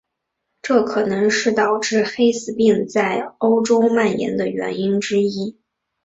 这可能是导致黑死病在欧洲蔓延的原因之一。